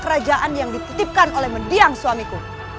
ke pejahat yang ditutupkan oleh mendiang suamiku